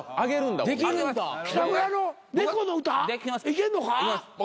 いけんのか？